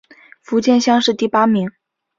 福建乡试第八名。